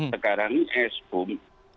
sekarang es boom